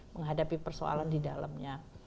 menghadapi persoalan di dalamnya